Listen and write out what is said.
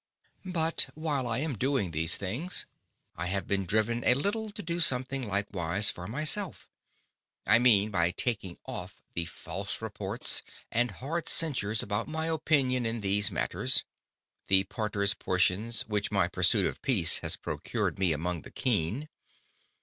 But while I am doing these things, I have been driven a little to do something likewise for myself; I mean, by taking off the false Reports, and hard Censures about my Opinion in these Matters, the Parter's Portions which my pursuit of Peace has procured me among the Keen.